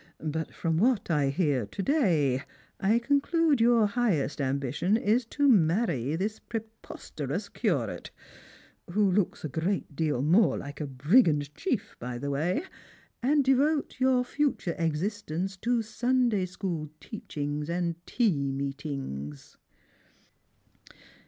But from what I hear to day, I conclude your highest ambition is to marry this preposterous curate— who looks a great deal more like a brigand chief, by the way — and devote your future existence to Sunday school teaching and tea meetings."